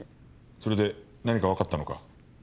それで何かわかったのか？